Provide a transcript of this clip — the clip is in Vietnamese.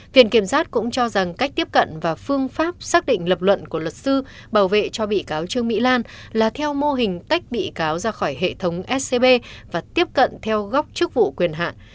viện kiểm sát cũng cho rằng cách tiếp cận và phương pháp xác định lập luận của luật sư bảo vệ cho bị cáo trương mỹ lan là theo mô hình tách bị cáo ra khỏi hệ thống scb và tiếp cận theo góc chức vụ quyền hạn